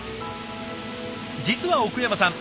実は奥山さん